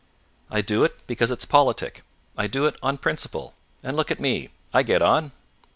"I do it because it's politic; I do it on principle. And look at me! I get on."